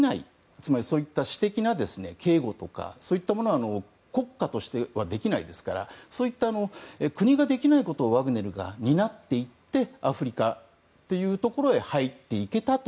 つまりそういった私的な警護とかそういったものは国家としてはできないですからそういった国ができないことをワグネルが担っていってアフリカというところへ入っていけたと。